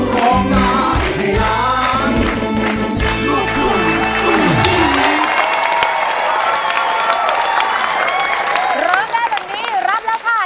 ร้องได้